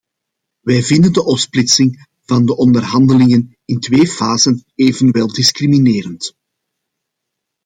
Wij vinden de opsplitsing van de onderhandelingen in twee fasen evenwel discriminerend.